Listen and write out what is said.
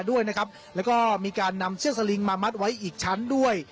ด้วยนะครับแล้วก็มีการนำเสื้อสลิงมามัดไว้อีกชั้นด้วย